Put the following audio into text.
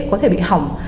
rất dễ có thể bị hỏng